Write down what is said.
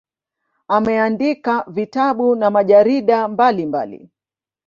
Ameandika vitabu na majarida mbalimbali.